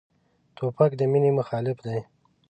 توپک د مینې مخالف دی.